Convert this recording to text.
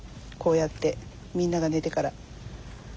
こうやってみんなが寝てから。